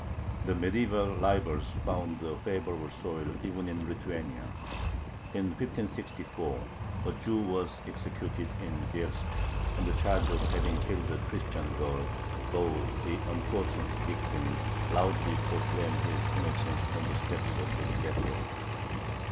The medieval libels found a favorable soil even in Lithuania. In 1564 a Jew was executed in Bielsk, on the charge of having killed a Christian girl, though the unfortunate victim loudly proclaimed his innocence from the steps of the scaffold.